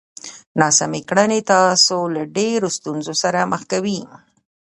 ناسمې کړنې تاسو له ډېرو ستونزو سره مخ کوي!